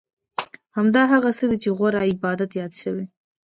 همدا هغه څه دي چې غوره عبادت یاد شوی.